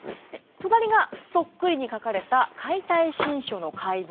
隣がそっくりに描かれた「解体新書」の解剖図です。